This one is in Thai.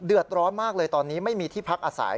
ร้อนมากเลยตอนนี้ไม่มีที่พักอาศัย